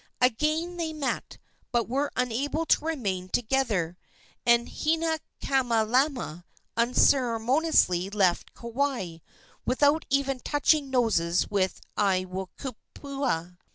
Again they met, but were unable to remain together, and Hinaikamalama unceremoniously left Kauai, without even touching noses with Aiwohikupua.